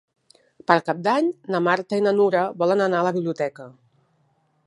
Per Cap d'Any na Marta i na Nura volen anar a la biblioteca.